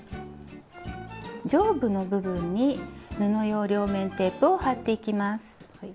上部の部分に布用両面テープを貼っていきます。